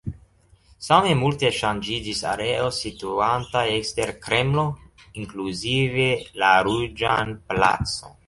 Same multe ŝanĝiĝis areo situanta ekster Kremlo, inkluzive la Ruĝan placon.